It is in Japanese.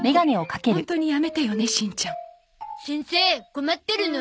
困ってるの？